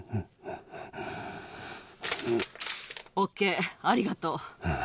う、ＯＫ、ありがとう。